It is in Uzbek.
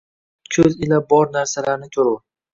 Jasad ko’z ila bor narsalarni ko’rur